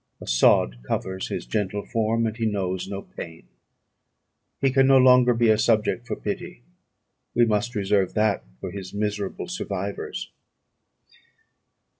A sod covers his gentle form, and he knows no pain. He can no longer be a subject for pity; we must reserve that for his miserable survivors."